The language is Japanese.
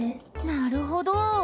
なるほど。